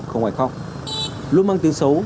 không ngoài không luôn mang tiếng xấu